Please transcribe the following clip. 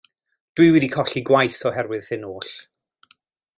Dw i wedi colli gwaith oherwydd hyn oll.